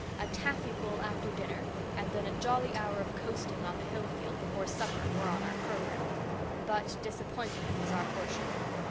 A taffy pull after dinner and then a jolly hour of coasting on the hill field before supper were on our programme. But disappointment was our portion.